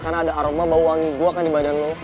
karena ada aroma bau wangi gua kan di badan lo